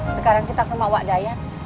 sekarang kita ke rumah wak dayat